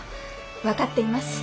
分かっています。